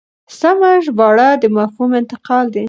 سمه ژباړه د مفهوم انتقال دی.